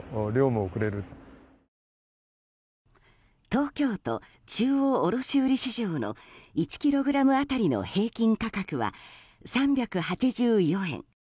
東京都中央卸売市場の１ｋｇ当たりの平均価格は３８４円。